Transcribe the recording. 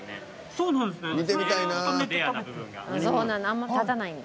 そうなんですね。